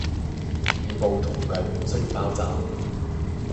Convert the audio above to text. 面部同腳需要包紥